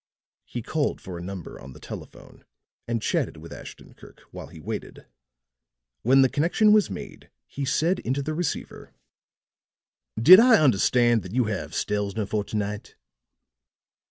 He called for a number on the telephone and chatted with Ashton Kirk while he waited. When the connection was made, he said into the receiver: "Did I understand that you have Stelzner for to night?"